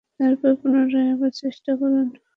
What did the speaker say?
তারপর পুনরায় আবার চেষ্টা করুন।